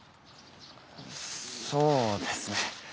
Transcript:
そうですね。